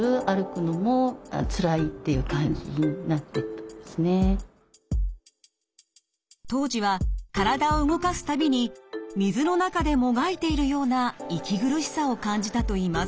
ちょうど当時は体を動かす度に水の中でもがいているような息苦しさを感じたといいます。